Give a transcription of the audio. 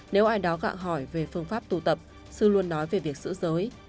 nếu ai đó gạng hỏi về phương pháp tu tập sư luôn nói về việc sử giới